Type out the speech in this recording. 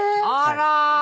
あら！